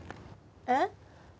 えっ？